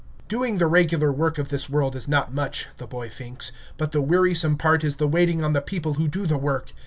Doing the regular work of this world is not much, the boy thinks, but the wearisome part is the waiting on the people who do the work.